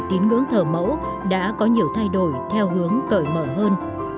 tiếng ngưỡng thở mẫu đã có nhiều thay đổi theo hướng cợi mở hơn